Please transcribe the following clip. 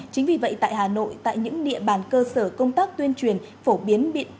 chính vì vậy tại hà nội tại những địa bàn cơ sở công tác tuyên truyền phổ biến